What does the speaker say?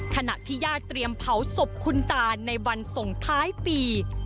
ขณะที่ญาติเตรียมเผาศพคุณตาในวันส่งท้ายปี